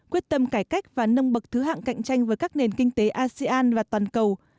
quyết tâm cải cách và nâng bậc thứ hạng cạnh tranh với các nền kinh tế asean và toàn cầu